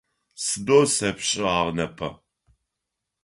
Сыдо сэпщъыагъ непэ.